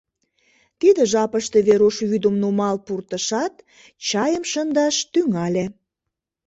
Тиде жапыште Веруш вӱдым нумал пуртышат, чайым шындаш тӱҥале.